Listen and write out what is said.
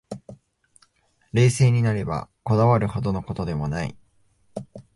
冷静になれば、こだわるほどの事でもない